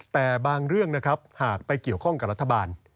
แต่บางเรื่องนะครับหากไปเกี่ยวข้องกับรัฐบาล